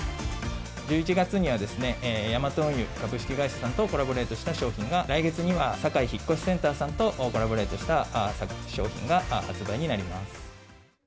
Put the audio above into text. １１月にはヤマト運輸株式会社さんとコラボレートした商品が、来月にはサカイ引越センターさんとコラボレートした商品が発売になります。